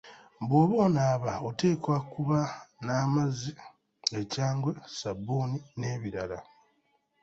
Bw'oba onaaba oteekwa okuba n'amazzi, ekyangwe, ssabbuni n'ebirala.